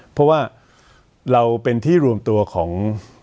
เพราะว่าเราเป็นที่รวมตัวของ